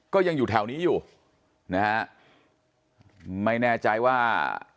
ก็ยังอยู่แถวนี้อยู่นะฮะไม่แน่ใจว่า